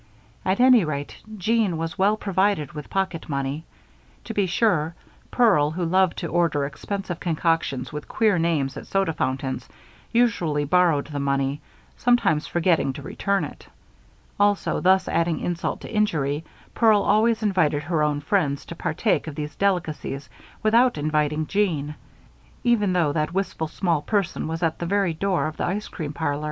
At any rate, Jeanne was well provided with pocket money. To be sure, Pearl, who loved to order expensive concoctions with queer names at soda water fountains, usually borrowed the money, sometimes forgetting to return it. Also, thus adding insult to injury, Pearl always invited her own friends to partake of these delicacies without inviting Jeanne, even though that wistful small person were at the very door of the ice cream parlor.